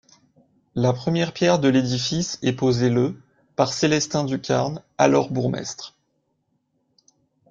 La première pierre de l'édifice est posée le par Célestin Ducarne, alors bourgmestre.